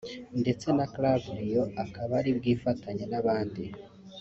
ndetse na Cub Lion akaba ari bwifatanye n’abandi